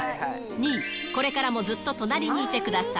２位、これからもずっと隣にいてください。